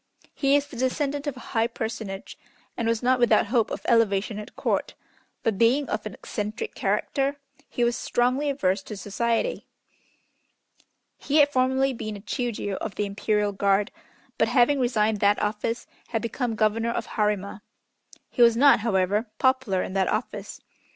He is the descendant of a high personage, and was not without hope of elevation at Court, but, being of an eccentric character, he was strongly averse to society. He had formerly been a Chiûjiô of the Imperial Guard, but having resigned that office, had become Governor of Harima. He was not, however, popular in that office.